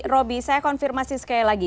roby saya konfirmasi sekali lagi